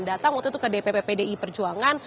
datang waktu itu ke dpp pdi perjuangan